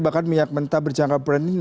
bahkan minyak mentah bercanggah berani